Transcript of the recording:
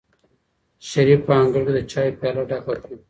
شریف په انګړ کې د چایو پیاله ډکه کړه.